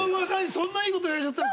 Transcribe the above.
そんないい事言われちゃったの？